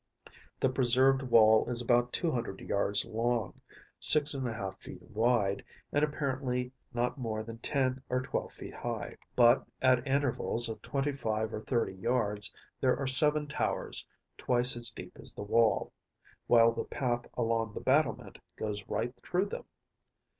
The preserved wall is about 200 yards long, six and a half feet wide, and apparently not more than ten or twelve feet high; but, at intervals of twenty five or thirty yards, there are seven towers twice as deep as the wall, while the path along the battlement goes right through them.